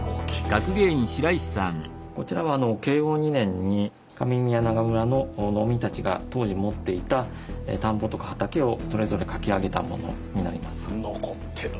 こちらは慶応２年に上宮永村の農民たちが当時持っていた田んぼとか畑をそれぞれ書き上げたものになります。